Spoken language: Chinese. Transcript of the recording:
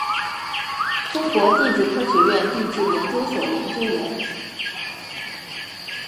中国地质科学院地质研究所研究员。